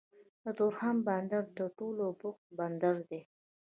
د تورخم بندر تر ټولو بوخت بندر دی